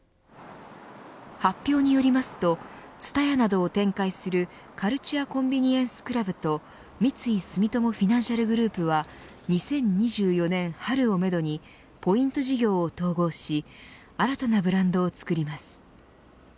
発表によりますとＴＳＵＴＡＹＡなどを展開するカルチュア・コンビニエンス・クラブと三井住友フィナンシャルグループは２０２４年春をめどにポイント事業を統合し新たなブランドを作ります。